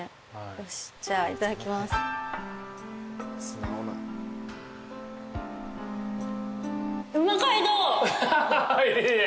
よしじゃあいただきます。いいね。